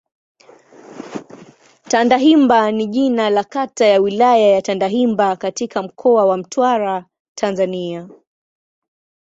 Tandahimba ni jina la kata ya Wilaya ya Tandahimba katika Mkoa wa Mtwara, Tanzania.